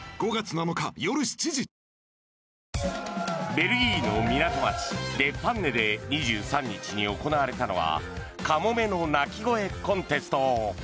ベルギーの港町デ・パンネで２３日に行われたのはカモメの鳴き声コンテスト。